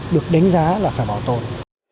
được đánh giá là phải bảo tồn